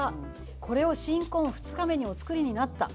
これを新婚２日目にお作りになった。